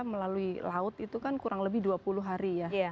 melalui laut itu kan kurang lebih dua puluh hari ya